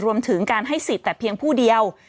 รวมถึงการให้สิทธิ์แต่เพียงผู้เดียว